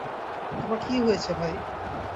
তোমার কী হয়েছে, ভাই?